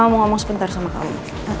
mau ngomong sebentar sama kamu